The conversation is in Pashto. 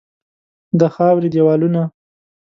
د خاوري دیوالونه